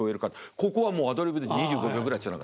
ここはもうアドリブで２５秒ぐらいつながる。